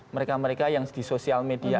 mereka mereka yang di sosial media